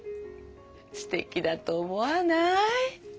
すてきだと思わない？